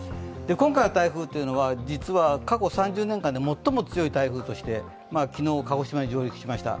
今回の台風というのは、実は過去３０年間で最も強い台風として昨日、鹿児島に上陸しました。